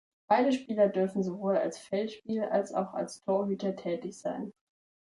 Beide Spieler dürfen sowohl als Feldspieler, als auch als Torhüter tätig sein.